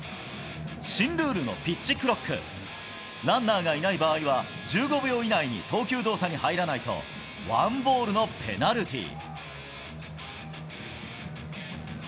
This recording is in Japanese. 新ルールのピッチクロック、ランナーがいない場合は、１５秒以内に投球動作に入らないとワンボールのペナルティー。